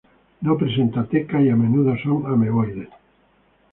No presentan teca y a menudo son ameboides.